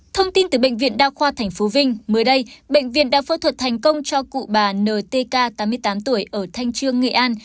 thông tin từ bệnh viện đa khoa tp vinh mới đây bệnh viện đã phẫu thuật thành công cho cụ bà ntk tám mươi tám tuổi ở thanh trương nghệ an